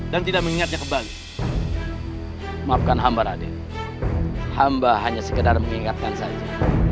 dan tidak mengingatnya kembali maafkan hamba raden hamba hanya sekedar mengingatkan saja